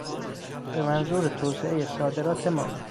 به منظور توسعهی صادرات ما